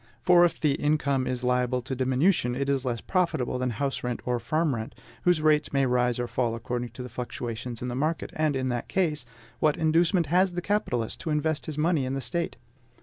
For, if the income is liable to diminution, it is less profitable than house rent or farm rent, whose rates may rise or fall according to the fluctuations in the market; and in that case, what inducement has the capitalist to invest his money in the State?